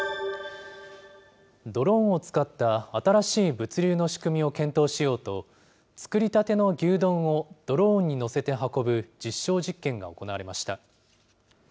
ドローンを使った新しい物流の仕組みを検討しようと、作りたての牛丼をドローンに載せて運ぶ実証実験が行われました。